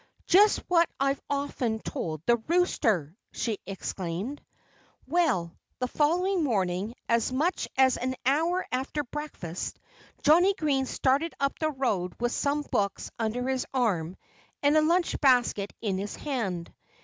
"Just what I've often told the Rooster!" she exclaimed. Well, the following morning, as much as an hour after breakfast, Johnnie Green started up the road with some books under his arm and a lunch basket in his hand.